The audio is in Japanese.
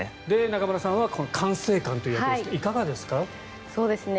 中村さんは管制官という役ですがいかがですか？